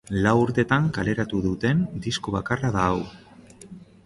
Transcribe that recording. Lau urtetan kaleratu duten disko bakarra da hau.